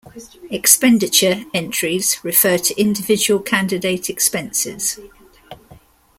Expenditure entries refer to individual candidate expenses.